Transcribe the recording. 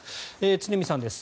常見さんです。